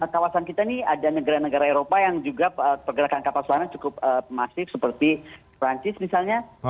kawasan kita ini ada negara negara eropa yang juga pergerakan kapal selamnya cukup masif seperti perancis misalnya